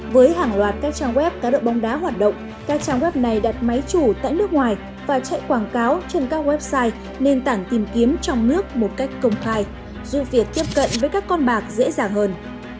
với hàng loạt các trang web cá độ bóng đá hoạt động các trang web này đặt máy chủ tại nước ngoài và chạy quảng cáo trên các website nền tảng tìm kiếm trong nước một cách công khai giúp việc tiếp cận với các con bạc dễ dàng hơn